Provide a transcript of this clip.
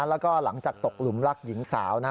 แล้วก็หลังจากตกหลุมรักหญิงสาวนะ